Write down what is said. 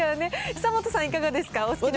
久本さん、いかがですか？